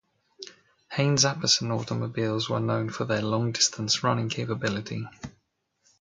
Haynes-Apperson automobiles were known for their "long distance running" capability.